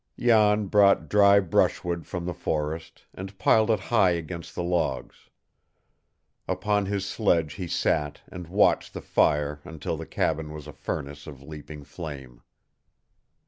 Jan brought dry brushwood from the forest, and piled it high against the logs. Upon his sledge he sat and watched the fire until the cabin was a furnace of leaping flame.